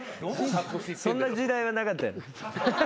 そんな時代はなかった。